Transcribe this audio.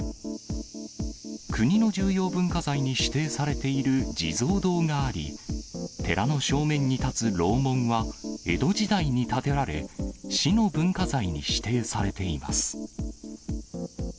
国の重要文化財に指定されている地蔵堂があり、寺の正面に立つ楼門は、江戸時代に建てられ、市の文化財に指定されています。